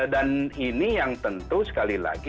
dan ini yang tentu sekali lagi